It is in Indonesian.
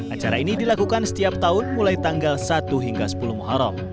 acara ini dilakukan setiap tahun mulai tanggal satu hingga sepuluh muharram